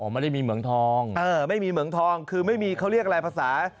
ไม่ได้มีเหมืองทองไม่มีเหมืองทองคือไม่มีเขาเรียกอะไรภาษา